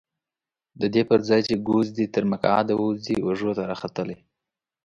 ددې پرځای چې ګوز دې تر مکعده ووځي اوږو ته راختلی.